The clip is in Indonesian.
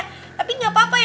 tapi gak apa apa ya